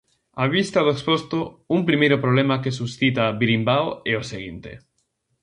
Á vista do exposto, un primeiro problema que suscita "Birimbao" é o seguinte: